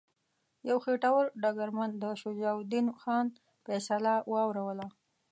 یو خیټور ډګرمن د شجاع الدین خان فیصله واوروله.